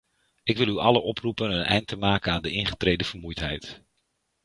Ik wil u allen oproepen een eind te maken aan de ingetreden vermoeidheid.